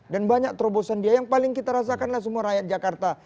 dan banyak terobosan dia yang paling kita rasakan lah semua rakyat jakarta